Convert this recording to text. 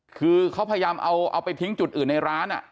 คือเขาพยายามเอาไปทิ้งจุดอื่นในร้าน